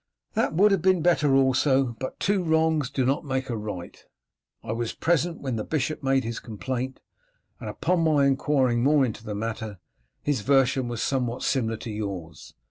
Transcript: "That would have been better also, but two wrongs do not make a right. I was present when the bishop made his complaint, and upon my inquiring more into the matter, his version was somewhat similar to yours.